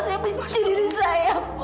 saya benci diri saya pak